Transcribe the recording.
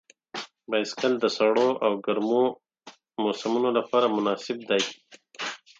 بایسکل د سړو او ګرمو موسمونو لپاره مناسب دی.